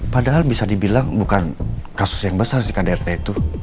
padahal bisa dibilang bukan kasus yang besar sih kdrt itu